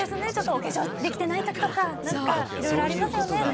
ちょっとお化粧できてない時とかいろいろありますよね。